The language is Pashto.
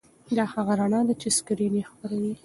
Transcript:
دا هغه رڼا ده چې سکرین یې خپروي.